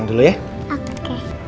nanti papa mau ke rumah